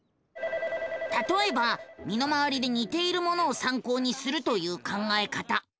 たとえば身の回りでにているものをさんこうにするという考え方。